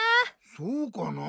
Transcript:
そうかなぁ？